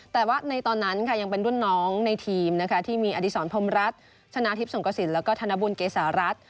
แต่ว่าในตอนนั้นค่ะยังเป็นรุ่นน้องในทีมนะคะที่มีอดีศรพรมรัฐชนะทิพย์สงกระสินแล้วก็ธนบุญเกษารัฐ